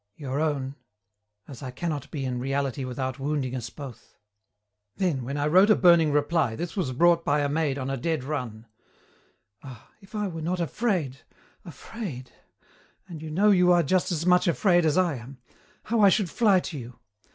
"'Your own as I cannot be in reality without wounding us both.' "Then when I wrote a burning reply, this was brought by a maid on a dead run: "'Ah, if I were not afraid, afraid! and you know you are just as much afraid as I am how I should fly to you!